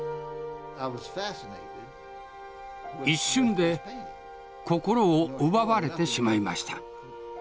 一瞬で心を奪われてしまいました。